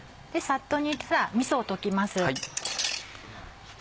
さっと煮たらみそを溶きます。